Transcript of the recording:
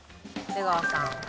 出川さん